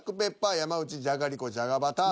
山内「じゃがりこじゃがバター」。